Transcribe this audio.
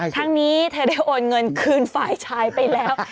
ทั้งนี้เธอได้โอนเงินคืนฝ่ายชายไปแล้ว